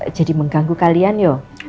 ini jadi mengganggu kalian yuk